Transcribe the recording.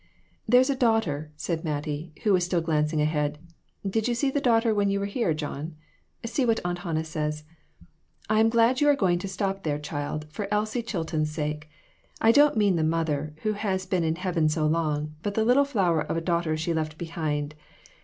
"There's a daughter," said Mattie, who was still glancing ahead; "did you see the daughter when you were here, John ? See what Aunt Hannah says " I am glad you are going to stop there, child, for Elsie Chilton's sake. I don't mean the mother, who has been in heaven so long, but the little flower of a daughter she left behind.